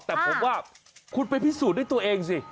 แต่ผมว่าคุณไปพิสูจน์ด้วยตัวเองสิ